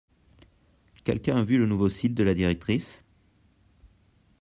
Quelqu'un a vu le nouveau site de la directrice?